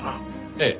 ええ。